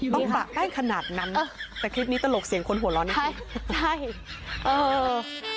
บ้างบะแค่ขนาดนั้นแต่คลิปนี้ตลกเสียงคนหัวร้อนอีก